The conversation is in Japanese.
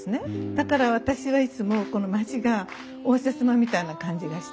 だから私はいつもこの町が応接間みたいな感じがして。